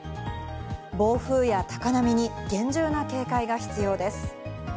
暴風や高波に厳重な警戒が必要です。